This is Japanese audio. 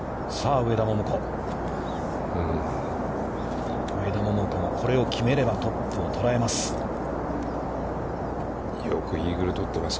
上田桃子もこれを決めればトップを捉えます。